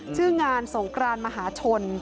ชื่องานสงกรานมหาชน